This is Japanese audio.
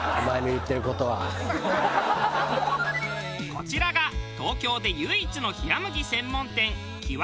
こちらが東京で唯一の冷麦専門店きわだち。